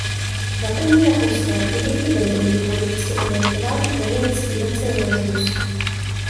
Za první rakouské republiky byl deník politicky orientován na německý nacionalismus.